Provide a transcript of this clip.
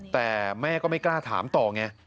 แต่แม่ก็ไม่กล้าถามต่อไง